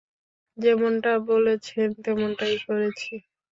যেমনটা বলেছেন তেমনটাই করেছি!